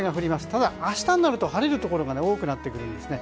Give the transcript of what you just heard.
ただ明日になると晴れるところが多くなってくるんですね。